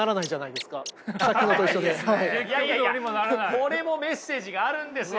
これもメッセージがあるんですよ！